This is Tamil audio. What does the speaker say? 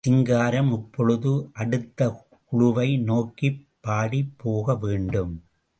சிங்காரம் இப்பொழுது அடுத்த குழுவை நோக்கிப் பாடிப் போக வேண்டும்.